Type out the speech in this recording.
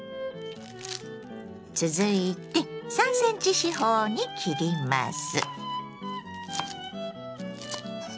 続いて３ｃｍ四方に切ります。